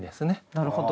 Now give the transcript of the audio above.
なるほど。